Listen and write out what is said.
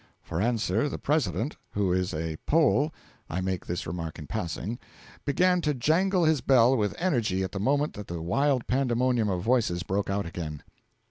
For answer the President (who is a Pole I make this remark in passing) began to jangle his bell with energy at the moment that that wild pandemonium of voices broke out again.